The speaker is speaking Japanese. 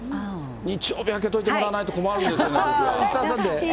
日曜日開けといてもらわないと困るんですよね、僕は。